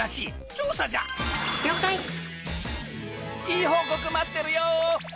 いい報告待ってるよ！